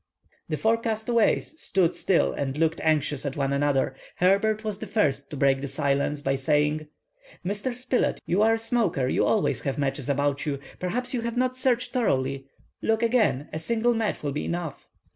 The four castaways stood still and looked anxiously at each other. Herbert was the first to break the silence, by saying:— "Mr. Spilett, you are a smoker, you always have matches about you; perhaps you have not searched thoroughly. Look again; a single match will be enough."